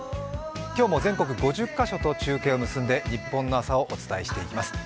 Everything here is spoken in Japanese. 今日も全国５０カ所と中継を結んでニッポンの朝をお伝えしてまいります。